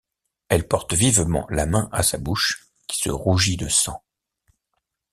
Elle porte vivement la main à sa bouche, qui se rougit de sang...